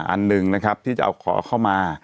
อันหนึ่งที่จะเอาเขามา